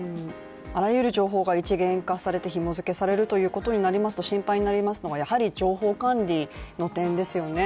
あらゆる情報が一元化されてひもづけされるということになりますと心配になりますのが、やはり情報管理の点ですよね。